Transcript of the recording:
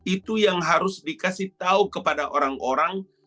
itu yang harus dikasih tahu kepada orang orang